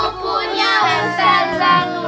sepupunya ustaz zanul